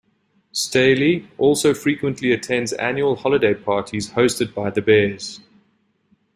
Staley also frequently attends annual holiday parties hosted by the Bears.